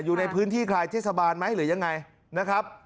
อยู่ในพื้นที่คลายเทศบาลไหมหรือยังไงนะครับ